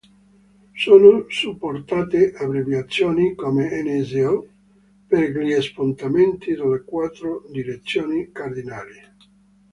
Sono supportate abbreviazioni, come N-S-E-O per gli spostamenti nelle quattro direzioni cardinali.